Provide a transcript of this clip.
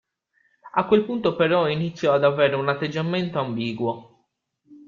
A quel punto però iniziò ad avere un atteggiamento ambiguo.